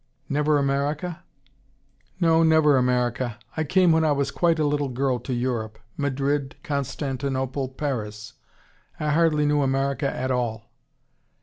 "Never America?" "No, never America. I came when I was quite a little girl to Europe Madrid Constantinople Paris. I hardly knew America at all."